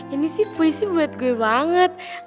ini sih puisi buat gue banget